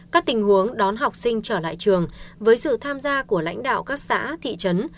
các tình huống đón học sinh trở lại trường với sự tham gia của lãnh đạo các xã thị trấn